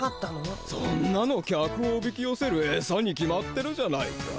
そんなの客をおびきよせるえさに決まってるじゃないか。